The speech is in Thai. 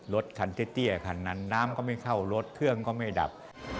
รถคันเตี้ยคันนั้นน้ำก็ไม่เข้ารถเครื่องก็ไม่ดับ